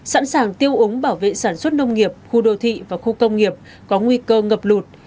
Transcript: sẵn sàng tiêu ống bảo vệ sản xuất nông nghiệp khu đô thị và khu công nghiệp có nguy cơ ngập lụt